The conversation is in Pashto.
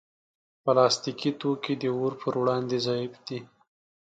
پلاستيکي توکي د اور پر وړاندې ضعیف دي.